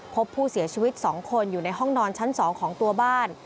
พบผู้เสียชีวิต๒คนอยู่ในห้องนอนชั้น๒ของตัวบ้าน